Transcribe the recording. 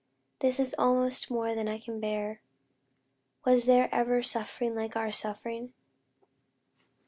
this is almost more than I can bear! was there ever suffering like our suffering!"